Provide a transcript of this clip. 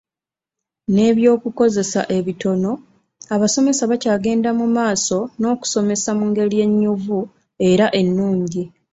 N'ebyokukozesa ebitono, abasomesa bakyagenda mu maaso n'okusomesa mu ngeri ennyuvu era ennungi.